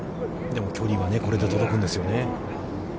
でも、距離はこれで届くんですよね。